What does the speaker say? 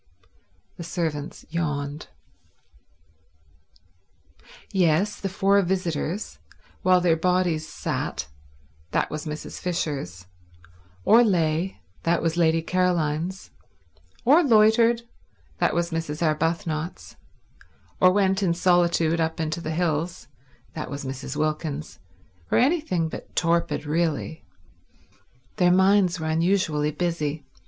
The servants yawned. Yet the four visitors, while their bodies sat—that was Mrs. Fisher's—or lay—that was Lady Caroline's—or loitered—that was Mrs. Arbuthnot's—or went in solitude up into the hills—that was Mrs. Wilkins's—were anything but torpid really. Their minds were unusually busy.